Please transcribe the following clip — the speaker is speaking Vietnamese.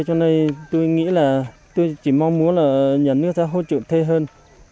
cho nên tôi nghĩ là tôi chỉ mong muốn là nhà nước sẽ hỗ trợ thê hơn